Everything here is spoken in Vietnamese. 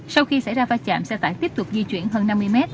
sau khi xảy ra va chạm xe tải tiếp tục di chuyển hơn năm mươi mét